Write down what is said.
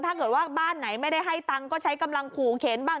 ถ้าเกิดว่าบ้านไหนไม่ได้ให้ตังค์ก็ใช้กำลังขู่เข็นบ้าง